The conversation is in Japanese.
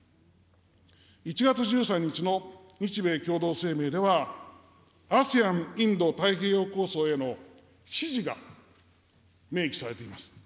１月１３日の日米共同声明では、ＡＳＥＡＮインド太平洋構想への支持が明記されています。